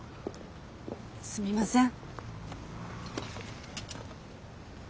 すみません。